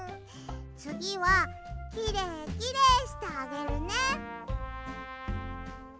つぎはきれいきれいしてあげるね。